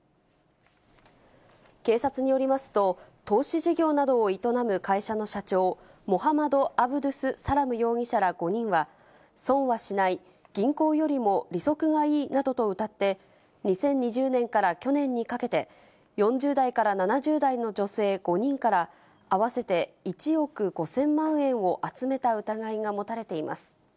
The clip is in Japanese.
警察によりますと、投資事業などを営む会社の社長、モハマド・アブドゥス・サラム容疑者ら５人は、損はしない、銀行よりも利息がいいなどとうたって、２０２０年から去年にかけて、４０代から７０代の女性５人から、合わせて１億５０００万円を集めた疑いが持たれています。